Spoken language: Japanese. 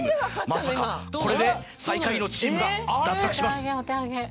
まさかこれで最下位のチームが脱落します。